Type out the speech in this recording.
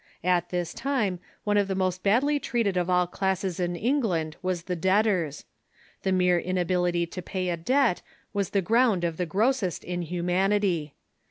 At this time one of the most badly treated of all classes in England was the debtors. The mere inability to pay a debt was the ground of the grossest inhumanity.